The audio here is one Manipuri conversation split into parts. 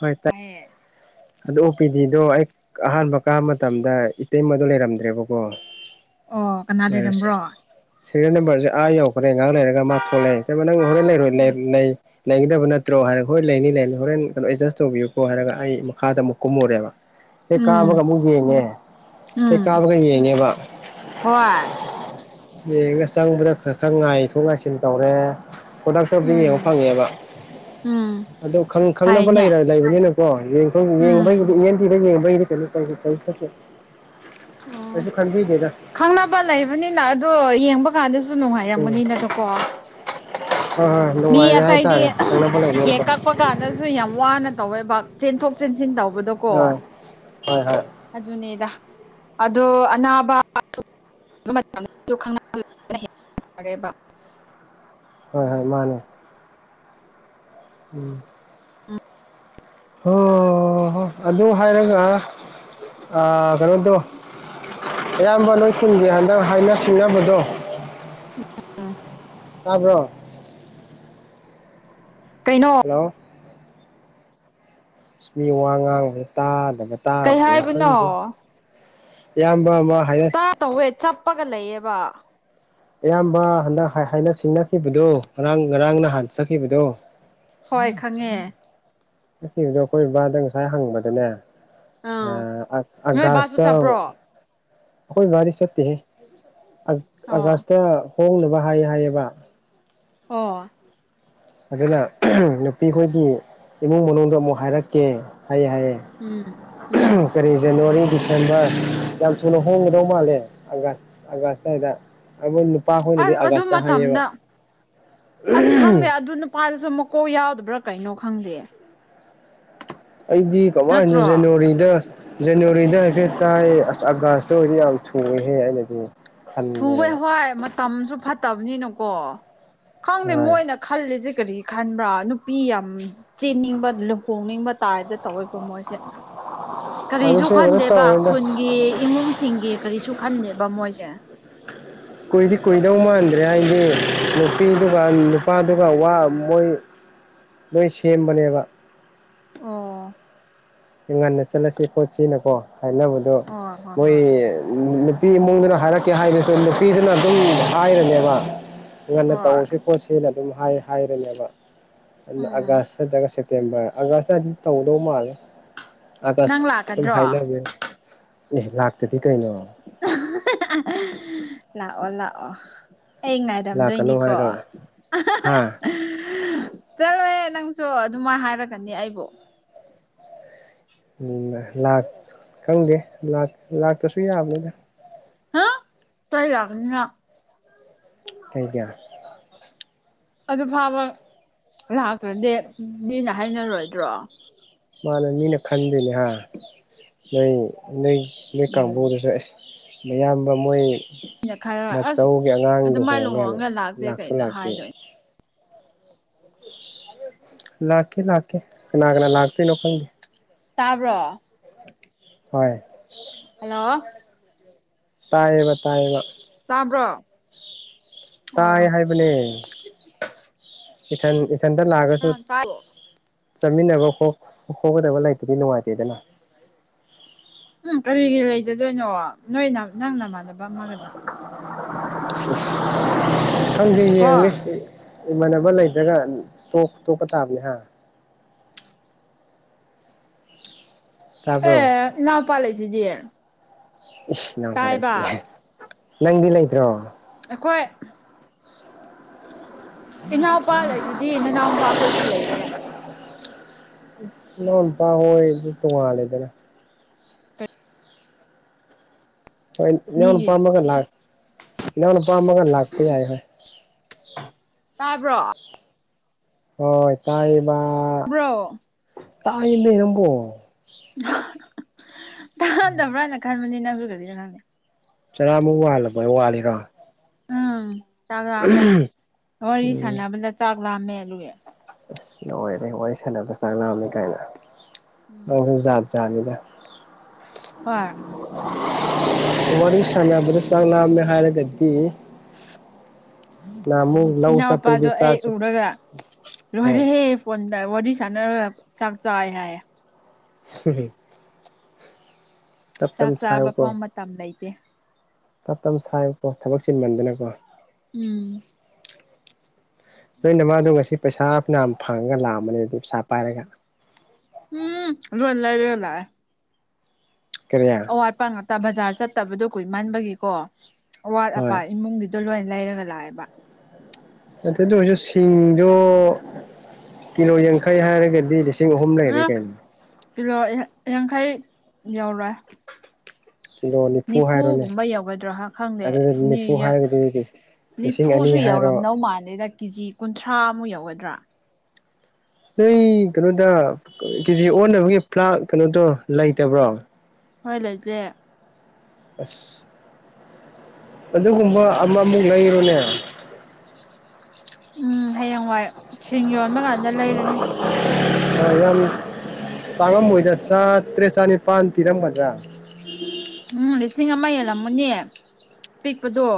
ꯍꯣꯏ ꯇꯥꯏ ꯇꯥꯢꯌꯦ ꯑꯗꯨ ꯑꯣ ꯄꯤ ꯗꯤꯗꯣ ꯑꯩ ꯑꯍꯥꯟꯕ ꯀꯥꯕ ꯃꯇꯝꯗ ꯏꯇꯩꯃꯗꯣ ꯂꯩꯔꯝꯗ꯭ꯔꯦꯕꯀꯣ ꯑꯣ ꯀꯅꯥ ꯂꯩꯔꯝꯕ꯭ꯔꯣ ꯁꯤꯔꯤꯌꯦꯜ ꯅꯝꯕꯔꯁꯦ ꯑꯥ ꯌꯧꯈ꯭ꯔꯦ ꯉꯍꯥꯛ ꯂꯩꯔꯒ ꯃꯥ ꯊꯣꯛꯂꯛꯑꯦ ꯏꯇꯩꯃ ꯅꯪ ꯍꯣꯔꯦꯟ ꯂꯩꯔꯣꯏ ꯅꯩ ꯎꯝ ꯅꯩ ꯂꯩꯒꯗꯕ ꯅꯠꯇ꯭ꯔꯣ ꯍꯥꯏꯔ ꯍꯣꯏ ꯂꯩꯅꯤ ꯂꯩꯅꯤ ꯍꯣꯔꯦꯟ ꯀꯩꯅꯣ ꯑꯦꯗꯖꯁ ꯇꯧꯕꯤꯌꯨꯀꯣ ꯍꯥꯏꯔꯒ ꯑꯩ ꯃꯈꯥꯗ ꯑꯃꯨꯛ ꯀꯨꯝꯃꯨꯔꯦꯕ ꯍꯦꯛ ꯎꯝ ꯀꯥꯕꯒ ꯑꯃꯨꯛ ꯌꯦꯡꯉꯦ ꯍꯦꯛ ꯎꯝ ꯀꯥꯕꯒ ꯌꯦꯡꯉꯦꯕ ꯍꯣꯏ ꯌꯦꯡꯉꯒ ꯆꯪꯕꯗ ꯈꯔ ꯈꯔ ꯉꯥꯏꯊꯣꯛ ꯉꯥꯏꯁꯤꯟ ꯇꯧꯔꯦ ꯈꯨꯗꯛꯇꯕꯨꯗꯤ ꯌꯦꯡꯕ ꯎꯝ ꯐꯪꯉꯦꯕ ꯎꯝ ꯑꯗꯨ ꯈꯪ ꯈꯪꯅꯕ ꯐꯩꯅꯦ ꯂꯩꯔ ꯂꯩꯕꯅꯤꯅꯀꯣ ꯌꯦꯡꯕꯩꯒꯤꯗꯤ ꯎꯝ ꯏ ꯑꯦꯟ ꯇꯤ ꯗ ꯌꯦꯡꯕꯒꯤꯗꯤ ꯀꯩꯁꯨ [unintelligible] ꯑꯣ ꯈꯟꯕꯤꯗꯦꯗ ꯈꯪꯅꯕ ꯂꯩꯕꯅꯤꯅ ꯑꯗꯣ ꯌꯦꯡꯕ ꯀꯥꯟꯗꯁꯨ ꯎꯝ ꯅꯨꯡꯉꯥꯏꯔꯝꯒꯅꯤꯅꯅ ꯀꯣ ꯍꯣꯏ ꯍꯣꯏ ꯃꯤ ꯅꯨꯡꯉꯥꯏꯔꯦ ꯑꯇꯩꯗꯤ ꯍꯥꯏꯇꯥꯔꯦ [unintelligible] ꯈꯪꯅꯕ ꯇꯤꯀꯦꯠ ꯂꯩꯕꯅꯤꯅꯀꯣ ꯀꯛꯄ ꯀꯥꯟꯗꯁꯨ ꯌꯥꯝ ꯋꯥꯅ ꯇꯧꯋꯦ ꯕꯥ ꯆꯦꯟꯊꯣꯛ ꯆꯦꯟꯁꯤꯟ ꯇꯧꯕꯗꯀꯣ ꯍꯣꯏ ꯍꯣꯏ ꯍꯣꯏ ꯑꯗꯨꯅꯦꯗ ꯑꯗꯨ ꯑꯅꯥꯕꯁꯨ ꯃꯇꯝꯗꯨ ꯈꯪꯉꯒꯅ ꯍꯦꯟꯅ ꯐꯔꯦꯕ ꯍꯣꯏ ꯍꯣꯏ ꯃꯥꯅꯦ ꯎꯝ ꯎꯝ ꯍꯣ ꯍꯣ ꯑꯗꯨ ꯍꯥꯏꯔꯒ ꯑ ꯀꯩꯅꯣ ꯇꯧ ꯏꯌꯥꯝꯕ ꯅꯣꯏ ꯈꯨꯟꯒꯤ ꯍꯟꯗꯛ ꯍꯥꯏꯅ ꯁꯤꯡꯅꯕꯗꯣ ꯇꯥꯕ꯭ꯔꯣ ꯀꯩꯅꯣ ꯍꯜꯂꯣ ꯑꯁ ꯃꯤ ꯋꯥ ꯉꯥꯡꯕꯁꯦ ꯇꯥꯗꯕ ꯀꯩ ꯇꯥꯗ꯭ꯔꯤꯔ ꯍꯥꯏꯕꯅꯣ ꯈꯪꯗꯦ ꯏꯌꯥꯝꯕ ꯑꯃ ꯇꯥ ꯍꯥꯏꯌꯦꯁ ꯇꯧꯋꯦ ꯆꯞꯄꯒ ꯂꯩꯌꯦꯕ ꯏꯌꯥꯝꯕ ꯍꯟꯗꯛ ꯍꯥꯏꯅ ꯁꯤꯡꯅꯈꯤꯕꯗꯣ ꯉꯔꯥꯡ ꯉꯔꯥꯡ ꯅꯍꯥꯟ ꯆꯠꯈꯤꯕꯗꯣ ꯍꯣꯏ ꯈꯪꯉꯦ ꯆꯠꯗꯣ ꯑꯩꯈꯣꯏ ꯕꯥꯗ ꯉꯁꯥꯏ ꯍꯪꯕꯗꯅꯦ ꯑꯥ ꯑ ꯅꯣꯏ ꯕꯥꯁꯨ ꯑꯒꯥꯁꯇꯥ ꯆꯠꯄ꯭ꯔꯣ ꯑꯈꯣꯏ ꯕꯥꯗꯤ ꯆꯠꯇꯦꯍꯦ ꯑ ꯑꯒꯥꯁꯇ ꯍꯣꯡꯅꯕ ꯍꯥꯏꯌꯦ ꯍꯥꯏꯌꯦꯕ ꯑꯣ ꯑꯗꯨꯅ ꯅꯨꯄꯤꯈꯣꯏꯒꯤ ꯏꯃꯨꯡ ꯃꯅꯨꯡꯗꯣ ꯑꯃꯨꯛ ꯍꯥꯏꯔꯛꯀꯦ ꯍꯥꯏꯌꯦ ꯍꯥꯏꯌꯦ ꯎꯝ ꯎꯝ ꯀꯔꯤ ꯖꯅꯋꯥꯔꯤꯒꯤ ꯁꯦꯝꯕꯔ ꯌꯥꯝ ꯊꯨꯅ ꯍꯣꯡꯒꯗꯧ ꯃꯥꯜꯂꯦ ꯑꯒꯥꯁ ꯑꯥꯒꯁ ꯁ꯭ꯋꯥꯏꯗ ꯑꯈꯣꯢ ꯅꯨꯄꯥꯈꯣꯏꯅꯗꯤ ꯑꯁ ꯑꯗꯨ ꯑꯥꯒꯁꯇ ꯍꯥꯏꯌꯦꯕ ꯃꯇꯝꯗ ꯄꯥꯗꯨꯁꯨ ꯃꯀꯣꯛ ꯌꯥꯎꯗꯕ꯭ꯔꯥ ꯀꯩꯅꯣ ꯈꯪꯗꯦ ꯑꯩꯗꯤ ꯀꯃꯥꯏꯅ ꯅꯠꯇ꯭ꯔꯣ ꯖꯅꯋꯥꯔꯤꯗ ꯖꯅꯋꯥꯔꯤꯗ ꯍꯥꯏꯐꯦꯠ ꯇꯥꯏ ꯑꯁ ꯑꯥꯒꯁ ꯑꯗꯨ ꯑꯣꯢꯗꯤ ꯌꯥꯝ ꯊꯨꯋꯦꯍꯦ ꯑꯩꯅꯗꯤ ꯊꯨꯋꯦ ꯈꯟꯕꯅꯦꯕ ꯍꯣꯏ ꯃꯇꯝꯁꯨ ꯐꯠꯇꯕꯅꯤꯅꯀꯣ ꯈꯪꯗꯦ ꯍꯣꯏ ꯃꯣꯏꯅ ꯈꯜꯂꯤꯁꯦ ꯀꯔꯤ ꯈꯟꯕ꯭ꯔꯥ ꯅꯨꯄꯤ ꯌꯥꯝ ꯆꯦꯟꯅꯤꯡꯕ ꯂꯨꯍꯣꯡꯅꯤꯡꯕ ꯇꯥꯏꯗ ꯇꯧꯋꯦ ꯕ ꯃꯣꯏꯁꯦ ꯀꯔꯤꯁꯨ ꯑꯗꯨꯁꯨ ꯀꯩꯅꯣ ꯈꯟꯗꯦꯕ ꯇꯧꯔꯦꯗ ꯈꯨꯟ ꯏ ꯏꯃꯨꯡꯁꯤꯡꯒꯤ ꯀꯔꯤꯁꯨ ꯈꯟꯗꯦꯕ ꯃꯣꯏꯁꯦ ꯀꯨꯏꯗꯤ ꯀꯨꯏꯗꯧ ꯃꯥꯟꯗ꯭ꯔꯦ ꯍꯥꯏꯗꯤ ꯅꯨꯄꯤꯗꯨꯒ ꯅꯨꯄꯥꯗꯨꯒ ꯋꯥ ꯃꯣꯏ ꯃꯣꯏ ꯁꯦꯝꯕꯅꯦꯕ ꯑꯣ ꯉꯟꯅ ꯆꯠꯂꯁꯤ ꯈꯣꯠꯁꯤꯅꯀꯣ ꯍꯥꯏꯅꯕꯗꯣ ꯑꯣ ꯍꯣꯏ ꯃꯣꯏ ꯍꯣꯏ ꯅꯨ ꯄꯤ ꯏꯃꯨꯡꯗꯨꯅ ꯍꯥꯏꯔꯛꯀꯦ ꯍꯥꯏꯔꯀ ꯅꯨꯄꯤꯗꯨꯅ ꯑꯗꯨꯝ ꯍꯥꯏꯔꯅꯦꯕ ꯉꯟꯅ ꯍꯣꯏ ꯇꯧꯁꯤ ꯈꯣꯠꯁꯤ ꯁꯤꯅ ꯑꯗꯨꯝ ꯍꯥꯏ ꯍꯥꯏꯔꯅꯦꯕ ꯑꯗꯨꯅ ꯎꯝ ꯑꯒꯥꯁ ꯅꯠꯇ꯭ꯔꯒ ꯁꯦꯞ ꯇꯦꯝꯕꯔ ꯑꯥꯒꯁꯇ ꯗꯨꯝ ꯇꯧꯗꯧ ꯃꯥꯜꯂꯦ ꯑꯥꯒꯁ ꯅꯪ ꯑꯗꯨꯝ ꯂꯥꯛꯀꯗ꯭ꯔꯣ ꯍꯥꯏꯅꯕꯅꯦ ꯑꯦ ꯂꯥꯛꯇꯗꯤ ꯀꯩꯅꯣ ꯂꯥꯛꯑꯣ ꯂꯥꯛꯑꯣ ꯑꯩ ꯂꯥꯛꯀꯅꯨ ꯉꯥꯏꯔꯝꯗꯣꯏꯅꯤꯀꯣ ꯍꯥꯏꯔꯣ ꯍꯥ ꯆꯠꯂꯣꯍꯦ ꯅꯪꯁꯨ ꯑꯗꯨꯃꯥꯢ ꯍꯥꯏꯔꯛꯀꯅꯤ ꯑꯩꯕꯨ ꯎꯝꯃ ꯂꯥꯛ ꯈꯪꯗꯦ ꯂꯥꯛ ꯂꯥꯛꯇ꯭ꯔꯁꯨ ꯌꯥꯕꯅꯤꯗ ꯍꯥ ꯆꯩ ꯂꯥꯛꯀꯅꯤ ꯅꯪ ꯀꯩꯒꯤ ꯑꯗꯨ ꯐꯥꯕ ꯂꯥꯛꯇ꯭ꯔꯗꯤ ꯃꯤꯅ ꯍꯥꯏꯅꯔꯣꯏꯗ꯭ꯔꯣ ꯃꯥꯅꯦ ꯃꯤꯅ ꯈꯟꯗꯣꯏꯅꯦ ꯍꯥ ꯅꯣꯏ ꯅꯣꯏ ꯅꯣꯏ ꯎꯝ ꯀꯥꯡꯕꯨꯗꯨꯁꯨ ꯑꯦꯁ ꯃꯌꯥꯝꯕ ꯃꯣꯏ ꯃꯤꯅ ꯈꯔ ꯑꯁ ꯃꯥꯆꯧꯒꯤ ꯑꯉꯥꯡ ꯑꯗꯨꯃꯥꯏꯅ ꯂꯨꯍꯣꯡꯉꯒ ꯂꯥꯛꯇꯦ ꯂꯥꯛꯁꯨ ꯀꯩꯅ ꯂꯥꯛꯇꯦ ꯍꯥꯏꯗꯣꯏꯅꯦ ꯂꯥꯛꯀꯦ ꯂꯥꯛꯀꯦ ꯀꯅꯥ ꯀꯅꯥ ꯂꯥꯛꯇꯣꯏꯅꯣ ꯈꯪꯗꯦ ꯇꯥꯕ꯭ꯔꯣ ꯍꯣꯏ ꯍꯜꯂꯣ ꯇꯥꯏꯌꯦꯕ ꯇꯥꯏꯌꯦꯕ ꯇꯥꯕ꯭ꯔꯣ ꯇꯥꯏ ꯑꯣ ꯍꯥꯏꯕꯅꯦ ꯏꯊꯟ ꯏꯊꯟꯇ ꯑ ꯂꯥꯛꯑꯒꯁꯨ ꯇꯥꯏꯌꯦ ꯆꯠꯃꯤꯟꯅꯕ ꯈꯣ ꯈꯣꯀꯗꯕ ꯂꯥꯏꯇꯗꯤ ꯅꯨꯡꯉꯥꯏꯇꯦꯗꯅ ꯎꯝ ꯀꯔꯤꯒꯤ ꯂꯩꯗꯗꯣꯏꯅꯣ ꯅꯣꯏꯅ ꯅꯪ ꯅꯃꯥꯟꯅꯕ ꯑꯃꯒ ꯂꯥꯛꯑꯣ ꯁꯤꯁ ꯈꯪꯗꯦ ꯌꯦꯡꯒꯦ ꯀꯣ ꯑꯩ ꯏꯃꯥꯟꯅꯕ ꯂꯩꯇ꯭ꯔꯒ ꯇꯣꯛ ꯇꯣꯛꯄ ꯇꯥꯕꯅꯦ ꯍꯥ ꯇꯥꯕ꯭ꯔꯣ ꯑꯦ ꯏꯅꯥꯎꯄꯥ ꯂꯩꯖꯤꯗꯤ ꯏꯁ ꯏꯅꯥꯎꯄꯥ ꯂꯩꯖꯤꯗꯤ ꯀꯥꯢ ꯅꯪꯗꯤ ꯂꯩꯇ꯭ꯔꯣ ꯑꯩꯈꯣꯏ ꯏꯅꯥꯎꯄꯥ ꯂꯩꯁꯤꯗꯤ ꯅꯅꯥꯎ ꯅꯨꯨꯄꯥꯈꯣꯏꯁꯨ ꯂꯩꯌꯦ ꯏꯅꯥꯎꯅꯨꯄꯥ ꯍꯣꯢꯗꯤ ꯇꯣꯉꯥꯜꯂꯦꯗꯅ ꯍꯣꯏ ꯏꯅꯥꯎ ꯃꯤꯒꯤ ꯅꯨꯄꯥꯝꯃꯒ ꯂꯥꯛ ꯏꯅꯥꯎ ꯅꯨꯄꯥꯝꯃꯒ ꯂꯥꯛꯄ ꯌꯥꯏ ꯍꯣꯏ ꯇꯥꯕ꯭ꯔꯣ ꯍꯣꯢ ꯇꯥꯏꯌꯦꯕꯥ ꯕ꯭ꯔꯣ ꯇꯥꯏꯌꯦꯃꯦ ꯅꯪꯕꯣ ꯇꯥꯗꯕ꯭ꯔꯥꯅ ꯈꯟꯕꯅꯦ ꯅꯪꯖꯨ ꯀꯔꯤꯔ ꯈꯪꯗꯦ ꯆꯔꯥꯃꯨꯛ ꯋꯥꯜꯂꯕꯣꯏ ꯋꯥꯜꯂꯤꯔꯣ ꯎꯝ ꯆꯥꯛ ꯂꯥꯝꯃꯦ ꯋꯥꯔꯤ ꯎꯝ ꯁꯥꯟꯅꯕꯗ ꯆꯥꯛ ꯂꯥꯝꯃꯦ ꯑꯗꯨꯒꯤ ꯑꯁ ꯂꯣꯏꯔꯦ ꯋꯥꯔꯤ ꯁꯥꯟꯅꯕꯗ ꯆꯥꯛ ꯂꯥꯝꯃꯦ ꯀꯥꯏꯅ ꯎꯝ ꯅꯪꯖꯨ ꯖꯥꯠ ꯖꯥꯠꯅꯤꯗ ꯍꯣꯏ ꯋꯥꯔꯤ ꯁꯥꯟꯅꯕꯗ ꯆꯥꯛ ꯂꯥꯛꯃꯦ ꯍꯥꯏꯔꯒꯗꯤ [inaudible] ꯅꯥꯃꯨ ꯏꯅꯥꯎꯄꯥꯗꯣ ꯑꯩ ꯎꯔꯒ ꯍꯣꯏ ꯔꯣꯏꯔꯦꯍꯦ ꯐꯣꯟꯗ ꯋꯥꯔꯤ ꯁꯥꯟꯅꯔꯒ ꯆꯥꯛ ꯆꯥꯏ ꯍꯥꯏꯌꯦ [unintelligible] ꯇꯞ ꯆꯥꯛ ꯇꯞꯅ ꯆꯥꯕ ꯐꯥꯎ ꯁꯥꯏꯌꯨꯀꯣ ꯃꯇꯝ ꯂꯩꯇꯦ ꯇꯞ ꯇꯞ ꯁꯥꯏꯌꯨꯀꯣ ꯊꯕꯛ ꯆꯤꯟꯃꯟꯗꯅꯀꯣ ꯎꯝ ꯅꯣꯏ ꯅꯃꯥꯗꯣ ꯉꯁꯤ ꯄꯩꯁꯥꯐꯅꯌꯥꯝ ꯐꯪꯉꯒ ꯂꯥꯛꯑꯝꯃꯅꯤ ꯑꯗꯨ ꯄꯩꯁꯥ ꯄꯥꯏꯔꯒ ꯎꯝ ꯂꯣꯏ ꯂꯩꯔꯒ ꯂꯥꯛꯑꯦ ꯀꯔꯤ ꯑꯋꯥꯠꯄ ꯉꯥꯛꯇ ꯕꯖꯥꯔ ꯆꯠꯇꯕꯗꯣ ꯀꯨꯏꯃꯟꯕꯒꯤꯀꯣ ꯑꯋꯥꯠ ꯑꯄꯥ ꯍꯣꯏ ꯏꯃꯨꯡꯒꯤ ꯗꯣ ꯂꯣꯏ ꯂꯩꯔꯒ ꯂꯥꯛꯑꯦꯕ ꯑꯗꯣ ꯑꯗꯨ ꯑꯣꯏꯔꯖꯨ ꯁꯤꯡꯗꯣ ꯀꯤꯂꯣ ꯌꯦꯡꯈꯩ ꯍꯥꯏꯔꯒꯗꯤ ꯂꯤꯁꯤꯡ ꯑꯍꯨꯝ ꯎꯝ ꯂꯩꯔꯦꯀꯧꯅꯣ ꯀꯤꯂꯣ ꯌꯥ ꯌꯥꯡꯈꯩ ꯌꯧꯔꯦꯏ ꯀꯤꯂꯣ ꯅꯤꯐꯨ ꯅꯤꯐꯐꯨ ꯍꯥꯏꯔꯣꯅꯦ ꯒꯨꯝꯕ ꯌꯥꯎꯒꯗ꯭ꯔꯣ ꯍꯥ ꯈꯪꯗꯦ ꯑꯗꯨꯗ ꯅꯤ ꯅꯤꯐꯨ ꯌꯥ ꯍꯥꯏꯔꯒꯗꯤ ꯂꯤꯁꯤꯡ ꯅꯤꯐꯨꯁꯨ ꯑꯅꯤ ꯍꯥꯏꯔꯣ ꯌꯧꯔꯝꯗꯧ ꯃꯥꯜꯂꯦꯗ ꯀꯦꯖꯤ ꯀꯨꯟꯊ꯭ꯔꯥꯃꯨꯛ ꯌꯧꯒꯗ꯭ꯔꯥ [unintelligible] ꯀꯩꯅꯣꯗ ꯀꯦꯖꯤ ꯑꯣꯟꯅꯕꯒꯤ ꯄ꯭ꯂꯥꯛ ꯀꯩꯅꯣꯗꯣ ꯂꯩꯇꯕ꯭ꯔꯣ ꯍꯣꯏ ꯂꯩꯇꯦ ꯑꯁ ꯑꯗꯨꯒꯨꯝꯕ ꯑꯃꯃꯨꯛ ꯂꯩꯔꯣꯅꯦ ꯎꯝ ꯍꯌꯦꯡꯋꯥꯏ ꯁꯤꯡ ꯌꯣꯟꯕ ꯀꯥꯟꯗ ꯂꯩꯔꯨꯅꯤ ꯌꯥꯝ ꯇꯥꯡꯉꯃꯣꯏꯗ ꯆꯥ ꯇ꯭ꯔꯦꯠ ꯆꯥꯅꯤꯄꯥꯟ ꯄꯤꯔꯝꯒꯗ꯭ꯔꯥ ꯎꯝ ꯂꯤꯁꯤꯡ ꯑꯃ ꯍꯦꯜꯂꯝꯃꯅꯦ ꯄꯤꯛꯄꯗꯣ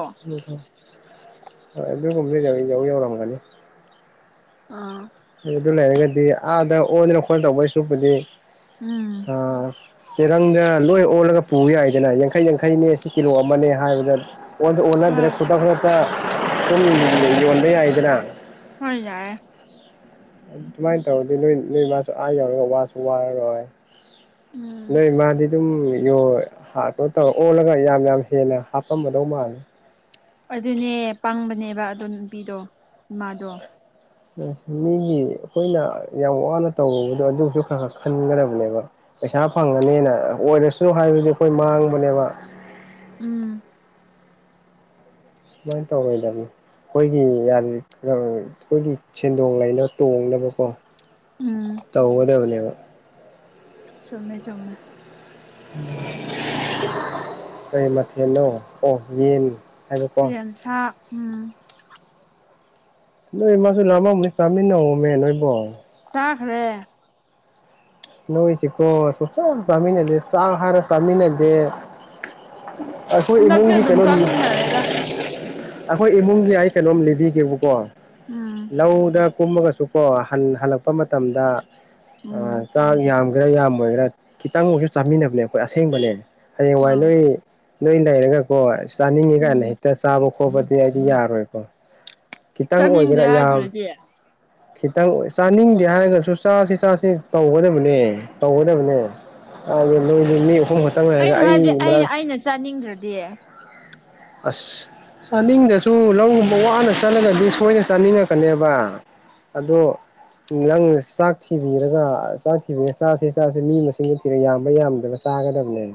ꯑꯗꯨꯒꯨꯝ ꯂꯩꯖ ꯌꯥꯎ ꯌꯥꯎꯔꯝ ꯒꯅꯤ [unintelligible] ꯑꯥ ꯑꯗꯨ ꯑꯗꯨ ꯂꯩꯔꯒꯗꯤ ꯑꯥꯗ ꯑꯣꯗꯅ ꯈꯣꯠꯇꯅ ꯇꯧꯗꯣꯏ ꯁꯔꯨꯄꯨꯗꯤ ꯎꯝ ꯆꯦꯔꯪꯗ ꯂꯣꯏ ꯑꯣꯜꯂꯒ ꯄꯨ ꯌꯥꯏꯗꯅ ꯌꯥꯡꯈꯩ ꯌꯥꯡꯈꯩꯅꯦ ꯁꯤ ꯀꯤꯂꯣ ꯑꯃꯅꯦ ꯍꯥꯏꯕꯗ ꯑꯣꯟꯁꯨ ꯑꯣꯟꯅꯗ꯭ꯔꯦ ꯍꯣꯏ ꯈꯨꯗꯛ ꯈꯨꯗꯛꯇ ꯁꯨꯝ ꯌꯣꯟꯕ ꯌꯥꯏꯗꯅ ꯍꯣꯏ ꯌꯥꯏ ꯑꯗꯨꯃꯥꯏꯅ ꯇꯧꯔꯗꯤ ꯅꯣꯏ ꯅꯣꯏ ꯃꯥꯁꯨ ꯑꯥ ꯌꯧꯔꯒ ꯋꯥꯁꯨ ꯋꯥꯔꯔꯣꯏ ꯎꯝ ꯅꯣꯏ ꯃꯥꯗꯤ ꯑꯗꯨꯝ ꯌꯣꯢ ꯍꯥꯔ꯭ꯇ ꯀꯩꯅꯣ ꯇꯧꯔ ꯑꯣꯜꯂꯒ ꯌꯥꯝ ꯌꯥꯝ ꯍꯦꯟꯅ ꯍꯥꯞꯄꯝꯃꯗꯧ ꯃꯥꯜꯂꯤ ꯑꯗꯨꯅꯦ ꯄꯥꯡꯕꯅꯦꯕ ꯑꯗꯣ ꯅꯨꯄꯤꯗꯣ ꯏꯃꯥꯗꯣ ꯃꯤꯒꯤ ꯑꯩꯈꯣꯏꯅ ꯌꯥꯝ ꯋꯥꯅ ꯇꯧꯔꯨꯕꯗꯣ ꯑꯗꯨꯁꯨ ꯈꯔ ꯈꯔ ꯈꯟꯒꯗꯕꯅꯦꯕ ꯄꯩꯁꯥ ꯐꯪꯉꯅꯤꯅ ꯑꯣꯏꯔꯁꯨ ꯍꯥꯏꯕꯗꯤ ꯑꯩꯈꯣꯏ ꯃꯥꯡꯕꯅꯦꯕ ꯎꯝ ꯁꯨꯃꯥꯏꯅ ꯇꯧꯔꯣꯏꯗꯝꯅꯤ ꯑꯩꯈꯣꯏꯒꯤ ꯌꯥꯝ ꯑꯩꯈꯣꯏꯒꯤ ꯁꯦꯟꯗꯣꯡ ꯂꯩꯅꯕ ꯇꯣꯡꯅꯕꯀꯣ ꯎꯝ ꯇꯣꯒꯗꯕꯅꯦꯕ ꯆꯨꯝꯃꯦ ꯆꯨꯝꯃꯦ ꯀꯩ ꯃꯊꯦꯜꯅꯣ ꯑꯣ ꯌꯦꯟ ꯍꯥꯏꯕꯀꯣ ꯌꯦꯟꯁꯥ ꯎꯝ ꯅꯣꯏ ꯃꯥꯁꯨ ꯂꯝꯃꯝꯅꯤ ꯆꯥꯃꯤꯟꯅꯧꯃꯦ ꯅꯣꯏꯕꯣ ꯆꯥꯈ꯭ꯔꯦ ꯅꯣꯏꯁꯤꯀꯣ ꯁꯨꯛꯆꯥ ꯆꯥ ꯆꯥꯃꯤꯟꯅꯗꯦ ꯆꯥꯛ ꯍꯥꯏꯔ ꯆꯥꯃꯤꯟꯅꯗꯦ ꯑꯩꯈꯣꯏ ꯍꯟꯗꯛꯇꯤ ꯏꯃꯨꯡꯒꯤ ꯑꯗꯨꯝ ꯀꯩꯩꯅꯣꯅꯤ ꯆꯥꯃꯤꯟꯅꯔꯦꯗ ꯑꯩꯈꯣꯏ ꯏꯃꯨꯡꯒꯤ ꯑꯩ ꯀꯩꯅꯣꯝ ꯂꯤꯕꯤꯒꯦꯕꯀꯣ ꯎꯝ ꯂꯧꯗ ꯀꯨꯝꯃꯒꯁꯨ ꯀꯣ ꯍꯜ ꯍꯜꯂꯛꯄ ꯃꯇꯝꯗ ꯎꯝ ꯆꯥꯛ ꯌꯥꯝꯒꯦꯔꯥ ꯌꯥꯝꯃꯣꯏꯒꯦꯔꯥ ꯈꯤꯇꯪ ꯑꯣꯔꯁꯨ ꯆꯥꯃꯤꯟꯅꯕꯅꯦ ꯑꯩꯈꯣꯏ ꯑꯁꯦꯡꯕꯅꯦ ꯍꯌꯦꯡꯋꯥꯏ ꯑꯥ ꯅꯣꯏ ꯅꯣꯏ ꯂꯩꯔꯒꯀꯣ ꯆꯥꯅꯤꯡꯉꯤ ꯀꯥꯢꯅ ꯎꯝ ꯍꯦꯛꯇ ꯆꯥꯕ ꯈꯣꯠꯄꯗꯤ ꯑꯩꯗꯤ ꯌꯥꯔꯣꯏꯕꯀꯣ ꯈꯤꯇꯪ ꯆꯥꯅꯤꯡꯗꯦ ꯑꯣꯏꯒꯦꯔꯥ ꯌꯥꯝ ꯍꯥꯏꯗꯨꯗꯤ ꯈꯤꯇꯪ ꯆꯥꯅꯤꯡꯗꯦ ꯍꯥꯏꯔꯒꯁꯨ ꯆꯥꯁꯤ ꯆꯥꯁꯤ ꯇꯧꯒꯗꯕꯅꯦ ꯇꯧꯒꯗꯕꯅꯦ ꯑꯗ ꯅꯣꯢꯗꯤ ꯃꯤ ꯑꯍꯨꯝ [unintelligible] ꯑꯩꯅ ꯍꯥꯏꯕꯗꯤ ꯑꯩ ꯃꯔꯛ ꯑꯩꯅ ꯑꯩꯅ ꯆꯥꯅꯤꯡꯗ꯭ꯔꯗꯤ ꯑꯁ ꯆꯥꯅꯤꯡꯗ꯭ꯔꯁꯨ ꯂꯧꯒꯨꯝꯕ ꯋꯥꯅ ꯆꯠꯂꯒꯗꯤ ꯁꯣꯏꯅ ꯆꯥꯅꯤꯡꯉꯛꯀꯅꯦꯕ ꯑꯗꯣ ꯅꯪꯅ ꯆꯥꯛ ꯊꯤꯕꯤꯔꯒ ꯆꯥꯛ ꯊꯤꯕꯤꯔꯒ ꯆꯥꯁꯤ ꯆꯥꯁꯤ ꯃꯤ ꯃꯁꯤꯡ [unintelligible] ꯌꯥꯝꯕ ꯌꯥꯝꯗꯕ ꯆꯥꯒꯗꯕꯅꯦ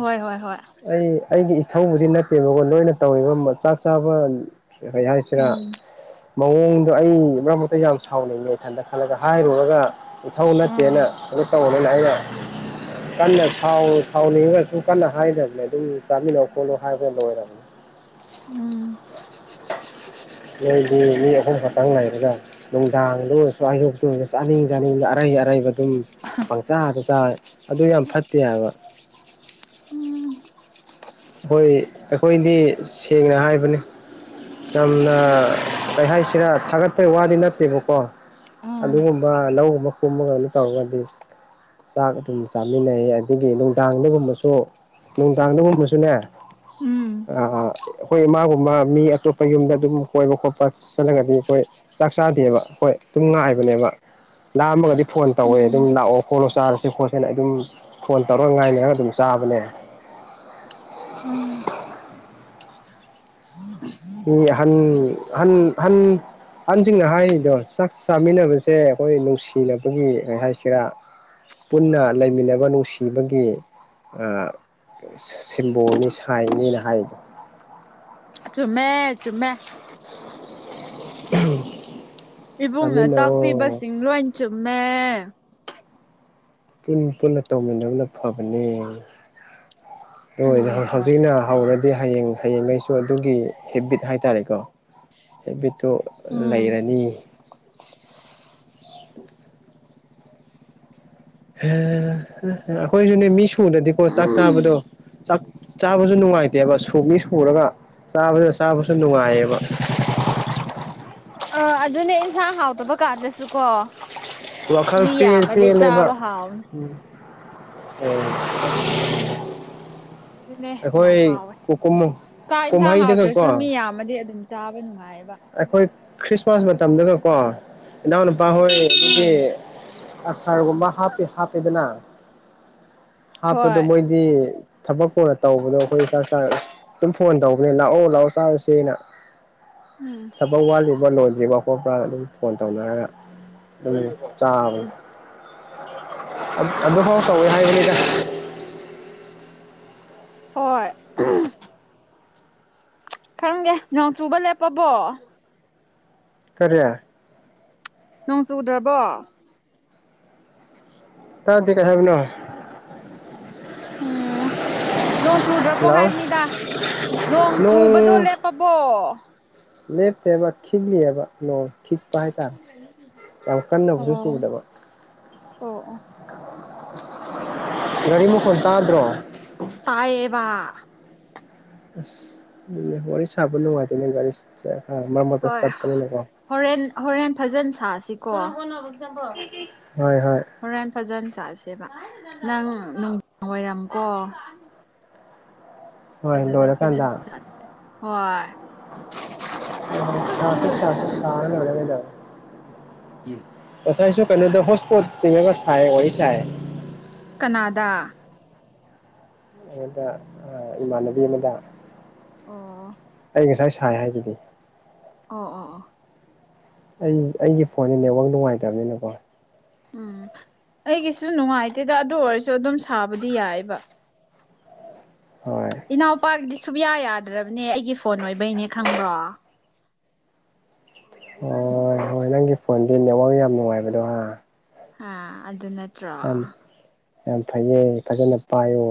ꯍꯣꯏ ꯍꯣꯏ ꯍꯣꯏ ꯑꯩ ꯑꯩꯒꯤ ꯏꯊꯧꯕꯨꯗꯤ ꯅꯠꯇꯦꯕꯀꯣ ꯅꯣꯏꯅ ꯇꯧꯔꯤꯕ ꯆꯥꯛ ꯆꯥꯕ ꯀꯩ ꯍꯥꯏꯁꯤꯔ ꯎꯝ ꯃꯑꯣꯡꯗꯣ ꯑꯩ ꯃꯔꯛ ꯃꯔꯛꯇ ꯌꯥꯝ ꯁꯥꯎꯅꯤꯡꯉꯦ ꯏꯊꯟꯗ ꯈꯜꯂꯒ ꯍꯥꯏꯔꯨꯔꯒ ꯏꯊꯧ ꯎꯝ ꯅꯠꯇꯦꯅ ꯑꯗꯨ ꯇꯧꯅꯦꯅ ꯑꯩꯅ ꯀꯟꯅ ꯁꯥꯎ ꯁꯥꯎꯅꯤꯡꯉꯒꯁꯨ ꯀꯟꯅ ꯍꯥꯏꯗ ꯂꯦ ꯑꯗꯨꯝ ꯆꯥꯃꯤꯟꯅꯧ ꯈꯣꯠꯂꯨ ꯍꯥꯏꯒ ꯂꯣꯏꯔꯝꯅꯤ ꯎꯝ ꯅꯣꯢꯗꯤ ꯃꯤ ꯑꯍꯨꯝ ꯈꯛꯇꯡ ꯂꯩꯔꯒ ꯅꯨꯡꯗꯥꯡꯗ ꯑꯣꯏꯔꯁꯨ ꯑꯌꯨꯛꯇ ꯑꯣꯏꯔꯁꯨ ꯆꯥꯅꯤꯡ ꯆꯥꯅꯤꯡꯕ ꯑꯔꯩ ꯑꯔꯩꯕ ꯑꯗꯨꯝ ꯄꯪꯆꯥꯗ ꯆꯥꯢ ꯑꯗꯨ ꯌꯥꯝ ꯐꯠꯇꯦ ꯍꯥꯏꯕ ꯎꯝ ꯍꯣꯏ ꯑꯩꯈꯣꯏꯗꯤ ꯁꯦꯡꯅ ꯍꯥꯏꯕꯅꯤ ꯌꯥꯝꯅ ꯀꯩ ꯍꯥꯏꯁꯤꯔꯥ ꯊꯥꯒꯠꯄꯩ ꯋꯥꯗꯤ ꯅꯠꯇꯦꯕꯀꯣ ꯑꯗꯨꯒꯨꯝꯕ ꯂꯧꯒꯨꯝꯕ ꯀꯨꯃꯒ ꯑꯗꯨꯝ ꯇꯧꯔꯒꯗꯤ ꯆꯥꯛ ꯑꯗꯨꯝ ꯆꯥꯃꯤꯟꯅꯩ ꯑꯗꯨꯒꯤ ꯅꯨꯡꯗꯥꯡꯗꯒꯨꯝꯕꯁꯨ ꯅꯨꯡꯗꯥꯡꯗꯒꯨꯝꯕꯁꯨ ꯁꯨꯅꯦ ꯎꯝ ꯑꯩꯈꯣꯏ ꯏꯃꯥꯒꯨꯝꯕ ꯃꯤ ꯑꯇꯣꯞꯄ ꯌꯨꯝꯗ ꯑꯗꯨꯝ ꯀꯣꯏꯕ ꯈꯣꯠꯄ ꯆꯠꯂꯒꯗꯤ ꯑꯈꯣꯏ ꯆꯥꯛ ꯆꯥꯗꯦꯕ ꯍꯣꯏ ꯗꯨꯝ ꯉꯥꯏꯕꯅꯦꯕ ꯂꯥꯝꯃꯒꯗꯤ ꯐꯣꯟ ꯇꯧꯋꯦ ꯑꯗꯨꯝ ꯎꯝ ꯂꯥꯛꯑꯣ ꯈꯣꯠꯂꯣ ꯆꯥꯔꯁꯦ ꯈꯣꯠꯁꯦꯅ ꯑꯗꯨꯝ ꯐꯣꯟ ꯇꯧꯔ ꯉꯥꯏꯅꯔ ꯑꯗꯨꯝ ꯆꯥꯕꯅꯦ ꯎꯝ ꯃꯤ ꯑꯍꯟ ꯑꯍꯟ ꯍꯟ ꯑꯍꯟꯁꯤꯡꯅ ꯍꯥꯏꯔꯤꯗꯣ ꯆꯥꯛ ꯆꯥꯃꯤꯟꯅꯕꯁꯦ ꯑꯈꯣꯏ ꯅꯨꯡꯁꯤꯅꯕꯒꯤ ꯀꯩ ꯍꯥꯏꯁꯤꯔꯥ ꯄꯨꯟꯅ ꯂꯩꯃꯤꯟꯅꯕ ꯅꯨꯡꯁꯤꯕꯒꯤ ꯑꯥ ꯁꯤ ꯁꯤꯝꯕꯣꯜꯅꯤ ꯁꯥꯏꯅꯤꯅ ꯍꯥꯏꯗꯣ ꯆꯨꯝꯃꯦ ꯆꯨꯝꯃꯦ [inaudible] [unintelligible] ꯏꯕꯨꯡꯅ ꯆꯥꯃꯤꯟꯅꯧ ꯇꯥꯛꯄꯤꯕꯁꯤꯡ ꯂꯣꯏ ꯆꯨꯝꯃꯦ ꯄꯨꯟ ꯄꯨꯟꯅ ꯇꯧꯃꯤꯟꯅꯕꯅ ꯐꯕꯅꯦ ꯎꯝ [unintelligible] ꯍꯣꯏ ꯍꯧꯖꯤꯛꯅ ꯐꯩ ꯍꯧꯔꯗꯤ ꯍꯌꯦꯡ ꯍꯌꯦꯡꯉꯩꯁꯨ ꯑꯗꯨꯒꯤ ꯍꯦꯕꯤꯠ ꯍꯥꯏꯇꯥꯔꯦꯀꯣ ꯍꯦꯕꯤꯠꯇꯨ ꯎꯝ ꯂꯩꯔꯅꯤ ꯑꯈꯣꯏꯖꯨꯅꯦ ꯃꯤ ꯁꯨꯅꯗꯤꯀꯣ ꯆꯥꯛ ꯆꯥꯕꯗꯣ ꯥꯆꯥꯛ ꯆꯥꯕꯁꯨ ꯅꯨꯡꯉꯥꯏꯇꯦꯕ ꯁꯨ ꯃꯤ ꯁꯨꯔꯒ ꯆꯥꯕ ꯆꯥꯕꯁꯨ ꯅꯨꯡꯉꯥꯏꯌꯦꯕ ꯑꯥ ꯑꯗꯨꯅꯦ ꯏꯟꯁꯥꯡ ꯍꯥꯎꯇꯕ ꯀꯥꯟꯗꯁꯨꯀꯣ ꯋꯥꯈꯜ ꯃꯤ ꯄꯦꯜ ꯌꯥꯝꯃꯗꯤ ꯄꯦꯜꯂꯦꯕ ꯆꯥꯕ ꯍꯥꯎꯕꯅꯤ ꯑꯣ ꯎꯝ ꯑꯗꯨꯅꯦ ꯌꯥꯝ ꯑꯩꯈꯣꯏ ꯍꯥꯎꯋꯦ ꯆꯥꯛ ꯏꯟꯁꯥꯡ ꯀꯨꯝꯍꯩꯗꯒꯀꯣ ꯍꯥꯎꯇ꯭ꯔꯁꯨ ꯃꯤ ꯌꯥꯝꯃꯗꯤ ꯑꯗꯨꯝ ꯆꯥꯕ ꯅꯨꯡꯉꯥꯏꯌꯦꯕ ꯑꯩꯈꯣꯏ ꯈ꯭ꯔꯤꯁꯃꯥꯁ ꯃꯇꯝꯗꯒꯀꯣ ꯏꯅꯥꯎꯅꯨꯄꯥ ꯍꯣꯏ ꯑꯗꯨꯒꯤ ꯎꯝ ꯑꯁꯔꯒꯨꯝꯕ ꯍꯥꯞꯄꯤ ꯍꯥꯞꯄꯦꯗꯅ ꯍꯥꯞꯄꯗꯣ ꯍꯣꯏ ꯃꯣꯏꯗꯤ ꯊꯕꯛ ꯀꯣꯟꯅ ꯇꯧꯕꯗꯣ ꯑꯈꯣꯏ ꯆꯥꯛ ꯆꯥꯔ ꯑꯗꯨꯝ ꯐꯣꯟ ꯇꯧꯕꯅꯦ ꯂꯥꯛꯑꯣ ꯂꯥꯛꯑꯣ ꯆꯥꯔꯁꯦꯅ ꯎꯝ ꯊꯕꯛ ꯋꯥꯠꯂꯤꯕ ꯂꯣꯏꯗ꯭ꯔꯤꯕ ꯈꯣꯠꯄ꯭ꯔꯥꯅ ꯑꯗꯨꯝ ꯐꯣꯟ ꯇꯧꯅꯔꯒ ꯗꯨꯝ ꯆꯥꯕꯅꯦ ꯎꯝ ꯑꯠ ꯑꯗꯨ ꯐꯥꯎ ꯇꯧꯋꯦ ꯍꯥꯏꯕꯅꯦꯗ ꯍꯣꯏ ꯈꯪꯒꯦ ꯅꯣꯡ ꯆꯨꯕ ꯂꯦꯞꯄꯕꯣ ꯀꯔꯤ ꯅꯣꯡ ꯆꯨꯗ꯭ꯔꯕꯣ ꯇꯥꯗꯦ ꯀꯩ ꯍꯥꯏꯕꯅꯣ ꯎꯝ [unintelligible] ꯅꯣꯡ ꯆꯨꯗ꯭ꯔꯕꯣ ꯍꯜꯂꯣ ꯍꯥꯏꯝꯅꯤꯗ ꯅꯣꯡ ꯆꯨꯕꯗꯣ ꯅꯣꯡ ꯂꯦꯞꯄꯕꯣ ꯂꯦꯞꯇꯦꯕ ꯈꯤꯛꯂꯤꯑꯦꯕ ꯅꯣꯡ ꯈꯤꯛꯄ ꯍꯥꯏꯇꯥꯔꯦ ꯌꯥꯝ ꯀꯟꯅꯕꯨꯗꯤ ꯑꯣ ꯑꯣ ꯆꯨꯗꯕ ꯑꯣ ꯒꯥꯔꯤ ꯃꯈꯣꯟ ꯇꯥꯗ꯭ꯔꯣ ꯇꯥꯌꯦꯕꯥ ꯑꯁ ꯑꯗꯨꯅꯦ ꯋꯥꯔꯤ ꯁꯥꯕ ꯅꯨꯡꯉꯥꯏꯇꯝꯅꯦ ꯒꯥꯔꯤꯁ [unintelligible] ꯈꯔ ꯃꯝ ꯍꯣꯏ ꯍꯣꯔꯦꯟ ꯍꯣꯔꯦꯟ ꯐꯖꯟ ꯁꯥꯁꯤꯀꯣ [unintelligible] ꯍꯣꯏ ꯍꯣꯏ ꯍꯣꯔꯦꯟ ꯐꯖꯟ ꯁꯥꯁꯦꯕ ꯅꯪ ꯅꯨꯡ [inaudible] ꯋꯥꯏꯔꯝꯀꯣ ꯍꯣꯏ ꯑꯗꯨꯗ ꯐꯖꯟ ꯂꯣꯏꯔꯀꯥꯟꯗ ꯆꯠ ꯍꯣꯏ [unintelligible] [unintelligible] ꯉꯁꯥꯏꯁꯨ ꯀꯩꯅꯣꯗ ꯍꯣꯠꯁꯄꯣꯠ ꯆꯤꯡꯉꯒ ꯁꯥꯏ ꯋꯥꯔꯤ ꯁꯥꯏ ꯀꯅꯥꯗꯥ ꯑꯗꯨꯗ ꯑꯥ ꯏꯃꯥꯟꯅꯕꯤ ꯑꯃꯥꯗ ꯑꯣ ꯑꯩ ꯉꯁꯥꯏ ꯁꯥꯏ ꯍꯥꯏꯗꯨꯗꯤ ꯑꯣ ꯑꯣ ꯑꯣ ꯑꯩ ꯑꯩꯒꯤ ꯐꯣꯟꯁꯦ ꯅꯦꯠꯋꯥꯛ ꯅꯨꯡꯉꯥꯏꯇꯝꯅꯤꯅꯀꯣ ꯎꯝ ꯑꯩꯒꯤꯁꯨ ꯅꯨꯡꯉꯥꯏꯇꯦꯗ ꯑꯗꯨ ꯑꯣꯏꯔꯁꯨ ꯑꯗꯨꯝ ꯁꯥꯕꯗꯤ ꯌꯥꯏꯕ ꯍꯣꯏ ꯏꯅꯥꯎꯄꯥꯒꯤꯗꯤ ꯁꯨꯞꯌꯥ ꯌꯥꯗ꯭ꯔꯕꯅꯦ ꯑꯩꯒꯤ ꯐꯣꯟ ꯑꯣꯏꯕꯩꯅꯦ ꯈꯪꯕ꯭ꯔꯣ ꯍꯣꯏ ꯍꯣꯏ ꯅꯪꯒꯤ ꯐꯣꯟꯗꯤ ꯅꯦꯠꯋꯥꯛ ꯌꯥꯝ ꯅꯨꯡꯉꯥꯏꯕꯗꯣ ꯍꯥ ꯍꯥ ꯑꯗꯨ ꯅꯠ ꯌꯥꯝ ꯌꯥꯝ ꯐꯩꯌꯦ ꯐꯖꯅ ꯄꯥꯏꯌꯣ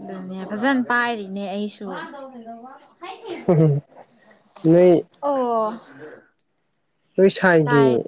ꯑꯗꯨꯅꯦ ꯐꯖꯟ ꯄꯥꯏꯔꯤꯅꯦ ꯑꯩꯁꯨ [unintelligible] [unintelligible] ꯅꯣꯏ ꯑꯣ ꯅꯣꯏ ꯇꯥꯏ ꯁꯥꯏꯒꯤ